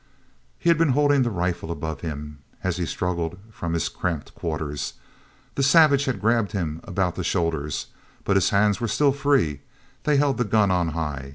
e had been holding the rifle above him, as he struggled from his cramped quarters. The savage had grabbed him about the shoulders, but his hands were still free; they held the gun on high.